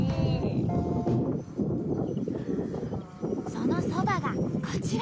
そのそばがこちら。